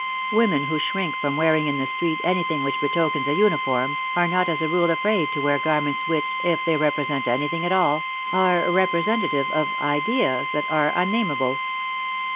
Women who shrink from wearing in the street, anything which betokens a uniform, are not as a rule afraid to wear garments which, if they represent anything at all, are represen tative of Ideas that are unnameable.